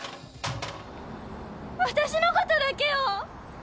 私のことだけを。